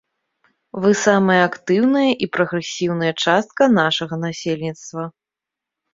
Вы самая актыўная і прагрэсіўная частка нашага насельніцтва.